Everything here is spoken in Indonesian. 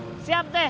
ya siap teh